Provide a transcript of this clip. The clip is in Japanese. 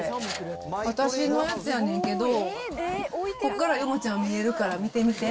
私のやつやねんけど、ここからヨモちゃん見えるから、見てみて。